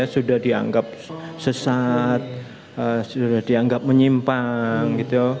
sudah dianggap sesat sudah dianggap menyimpang